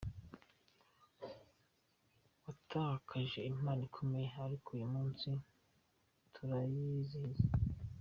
Twatakaje impano ikomeye ariko uyu munsi turayizihiza.